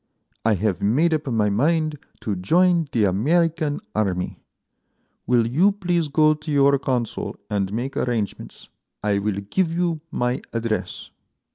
I have made up my mind to join the American army. Will you please go to your Consul and make arrangements? I will give you my address."